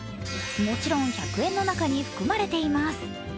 もちろん１００円の中に含まれています。